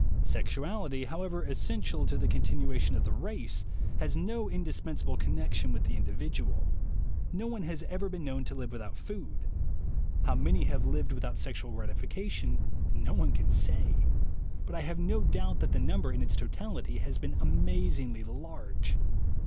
Sexualit3% however essential to the continuation of the race, has no indispensable connection with the individual. No one has ever been known to live without food. How many have lived without sexual gratification 98 THE WAY TO WILL POWER no one can say ; but I have no doubt that the number, in its totality, has been amazingly large.